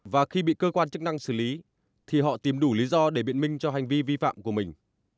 và khi bị cơ quan chức năng xử lý thì họ tìm đủ lý do để biện minh cho hành vi vi phạm của mình